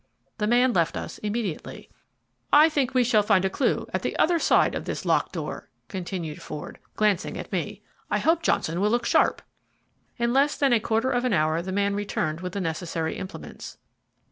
The man left us immediately. "I think we shall find a clue at the other sideof this locked door," continued Ford, glancing at me. "I hope Johnson will look sharp." In less than a quarter of an hour the man returned with the necessary implements.